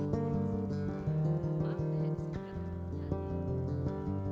terima kasih pak